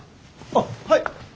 あっはい！